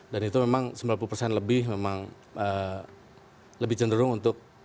dan itu memang sembilan puluh persen lebih memang lebih cenderung untuk